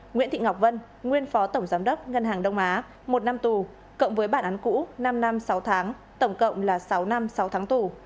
nguyễn thị ngọc vân nguyên phó tổng giám đốc ngân hàng đông á một năm tù cộng với bản án cũ năm năm sáu tháng tổng cộng là sáu năm sáu tháng tù